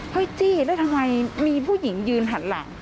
จี้แล้วทำไมมีผู้หญิงยืนหันหลัง